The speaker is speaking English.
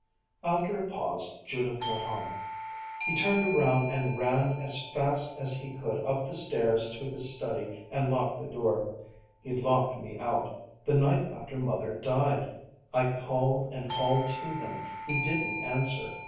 After a pause, Judith went on: "He turned around and ran as fast as he could up the stairs to his study and locked the door. He locked me out the night after Mother died. I called and called to him he didn't answer.